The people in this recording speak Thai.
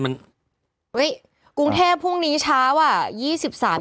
ห้อยะพรุ่งนี้หรอครับ